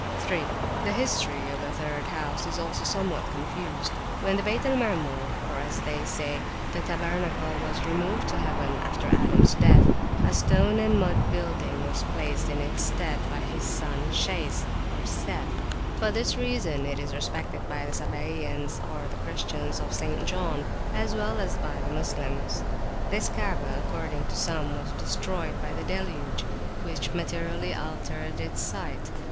3. The history of the third house is also somewhat [p.321] confused. When the Bayt al Maamur, or, as others say, the tabernacle, was removed to heaven after Adams death, a stone and mud building was placed in its stead by his son Shays (Seth). For this reason it is respected by the Sabaeans, or Christians of St. John, as well as by the Moslems. This Kaabah, according to some, was destroyed by the deluge, which materially altered its site.